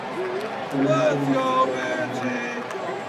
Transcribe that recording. ئەمە شوێنی دڵخوازی منە.